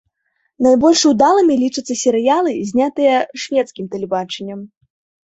Найбольш удалымі лічацца серыялы, знятыя шведскім тэлебачаннем.